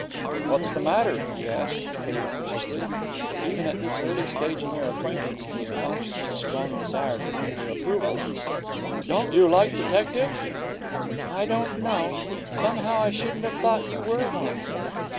'What's the matter?' he said, a little anxiously, for even at this early stage in their acquaintance he was conscious of a strong desire to win her approval. 'Don't you like detectives?' 'I don't know. Somehow I shouldn't have thought you were one.'